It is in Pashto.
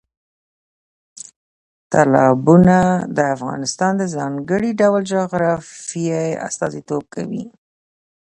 تالابونه د افغانستان د ځانګړي ډول جغرافیه استازیتوب کوي.